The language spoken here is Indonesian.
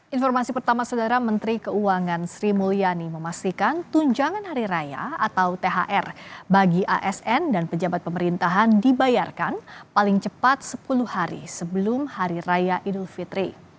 informasi pertama saudara menteri keuangan sri mulyani memastikan tunjangan hari raya atau thr bagi asn dan pejabat pemerintahan dibayarkan paling cepat sepuluh hari sebelum hari raya idul fitri